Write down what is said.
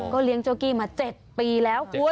เลี้ยงเจ้ากี้มา๗ปีแล้วคุณ